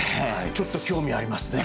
ちょっと興味ありますね。